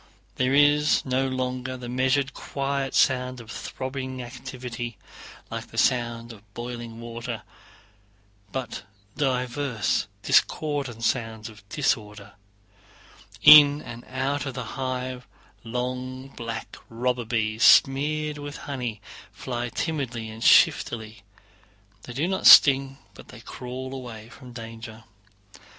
There is no longer the measured quiet sound of throbbing activity, like the sound of boiling water, but diverse discordant sounds of disorder. In and out of the hive long black robber bees smeared with honey fly timidly and shiftily. They do not sting, but crawl away from danger.